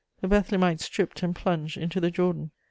"The Bethlemites stripped and plunged into the Jordan.